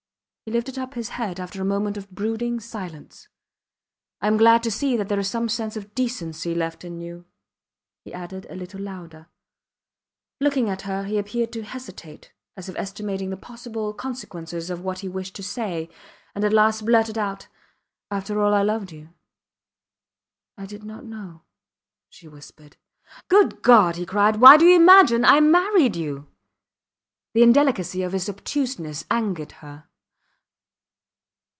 He lifted up his head after a moment of brooding silence. I am glad to see that there is some sense of decency left in you, he added a little louder. Looking at her he appeared to hesitate, as if estimating the possible consequences of what he wished to say, and at last blurted out After all, I loved you. ... I did not know, she whispered. Good God! he cried. Why do you imagine I married you? The indelicacy of his obtuseness angered her.